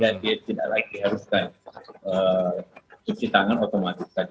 dan dia tidak naik dia haruskan cuci tangan otomatis saja